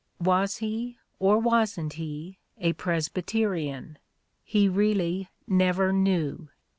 "Was he, or wasn't he, a Presbyterian? He really never knew.